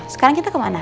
sekarang kita kemana